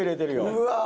うわ。